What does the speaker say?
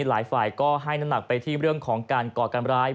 หลายฝ่ายก็ให้น้ำหนักไปที่เรื่องของการก่อการร้าย